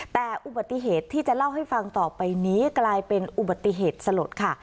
แต่อุบัติเหตุที่จะเล่าให้ฟังต่อไปนี้กลายเป็นอุบัติเหตุสลดค่ะ